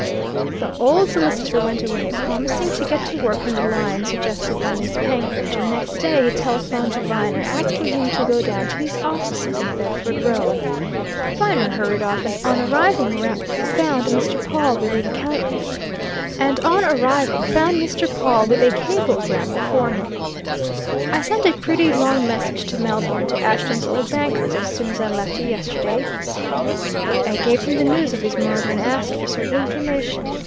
The old solicitor went away, promising to get to work on the lines suggested by Miss Penkridge, and next day he telephoned to Viner asking him to go down to his offices in Bedford Row. Viner hurried off, and on arriving found Mr. Pawle with a cablegram before him. "I sent a pretty long message to Melbourne, to Ashton's old bankers, as soon as I left you yesterday," he said. "I gave them the news of his murder, and asked for certain information.